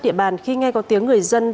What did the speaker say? địa bàn khi nghe có tiếng người dân